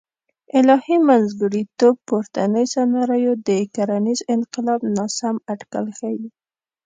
الهي منځګړیتوب پورتنۍ سناریو د کرنیز انقلاب ناسم اټکل ښیي.